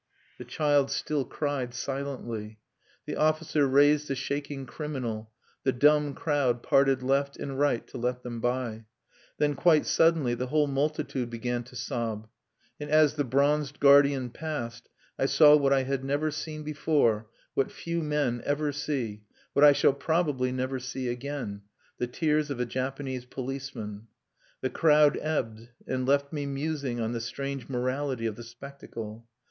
The child still cried silently. The officer raised the shaking criminal; the dumb crowd parted left and right to let them by. Then, quite suddenly, the whole multitude began to sob. And as the bronzed guardian passed, I saw what I had never seen before, what few men ever see, what I shall probably never see again, the tears of a Japanese policeman. The crowd ebbed, and left me musing on the strange morality of the spectacle.